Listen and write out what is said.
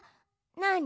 なに？